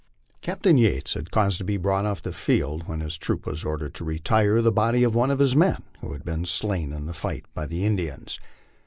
Captain Yates had caused to be brought off the field, when his troop was ordered to retire, the body of one of his men who had been slain in the fight by the Indians.